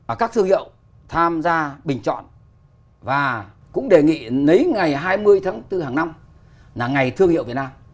ở các thương hiệu tham gia bình chọn và cũng đề nghị lấy ngày hai mươi tháng bốn hàng năm là ngày thương hiệu việt nam